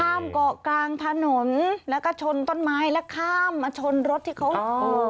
เกาะกลางถนนแล้วก็ชนต้นไม้แล้วข้ามมาชนรถที่เขาโอ้